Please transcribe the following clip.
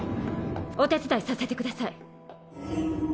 お手伝いさせてください。